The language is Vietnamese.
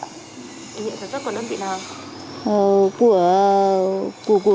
ủy nhiệm sản xuất của đơn vị nào